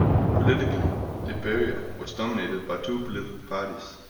Politically, Liberia was dominated by two political parties.